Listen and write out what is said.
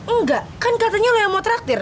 enggak kan katanya lu yang mau traktir